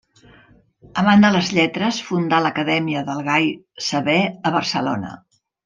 Amant de les lletres fundà l'acadèmia del gai saber a Barcelona.